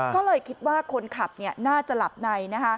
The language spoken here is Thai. ก็เลยคิดว่าคนขับน่าจะหลับใน